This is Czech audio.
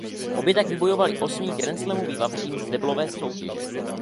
Obě tak vybojovaly osmý grandslamový vavřín z deblové soutěže.